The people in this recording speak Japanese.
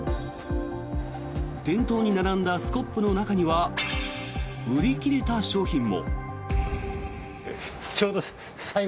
店頭に並んだスコップの中には売り切れた商品も。